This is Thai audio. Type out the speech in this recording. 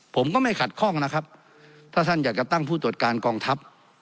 ผมก็ไม่ขัดข้องนะครับถ้าท่านอยากจะตั้งผู้ตรวจการกองทัพ